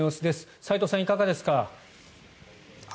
齋藤さん、いかがですか？